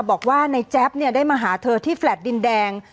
บอกว่านายแจ๊ปได้มาหาเธอที่แฟลตดินแดง